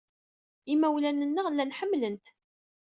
Imawlan-nneɣ llan ḥemmlen-t.